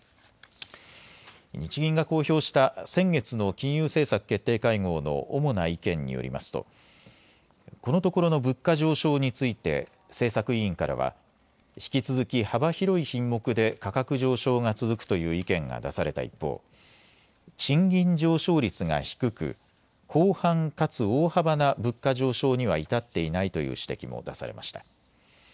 日銀が公表した先月の金融政策決定会合の主な意見によりますとこのところの物価上昇について政策委員からは引き続き幅広い品目で価格上昇が続くという意見が出された一方、賃金上昇率が低く広範かつ大幅な物価上昇には至っていないという指摘も出されました。